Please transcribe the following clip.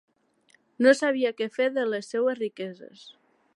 No sabia què fer de les seves riqueses.